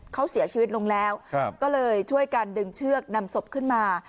เขาเสียชีวิตลงแล้วก็เลยช่วยกันดึงเชือกนำศพขึ้นมา